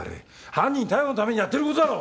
犯人逮捕のためにやってることだろ！